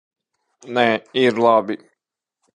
Nē, ir labi.